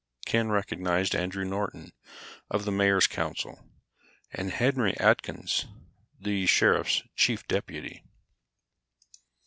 Ken recognized Andrew Norton, of the Mayor's Council, and Henry Atkins, the Sheriff's chief deputy.